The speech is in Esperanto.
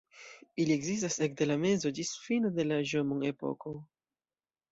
Ili ekzistas ekde la mezo ĝis la fino de la Ĵomon-epoko.